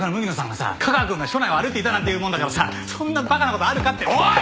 がさ架川くんが署内を歩いていたなんて言うもんだからさそんな馬鹿な事あるかっておい！